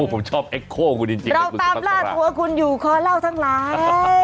ผมชอบเอ็กโคลคุณจริงเราตามล่าตัวคุณอยู่คอเล่าทั้งหลาย